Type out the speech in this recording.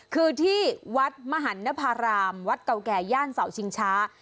คือที่วัดมหันนภารามวัดเก่าแก่ย่านเสาชิงช้า